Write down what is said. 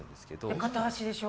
で、片足でしょ？